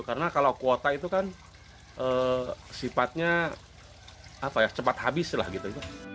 karena kalau kuota itu kan sifatnya cepat habis lah gitu